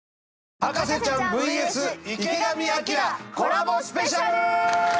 『博士ちゃんＶＳ池上彰』コラボスペシャル！